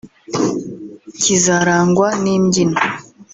kizarangwa n’imbyino